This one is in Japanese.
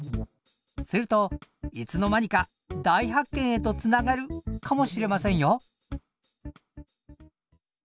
するといつの間にか大発見へとつながるかもしれませんよ！